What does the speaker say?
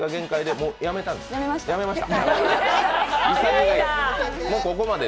やめました。